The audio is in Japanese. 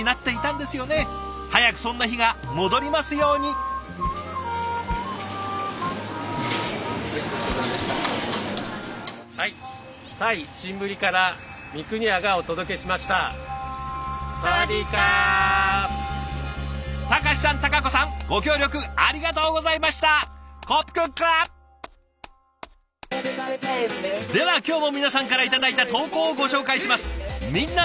では今日も皆さんから頂いた投稿をご紹介します。